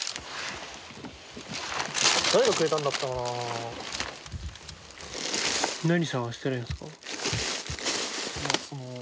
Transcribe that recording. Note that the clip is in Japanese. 誰がくれたんだったかな。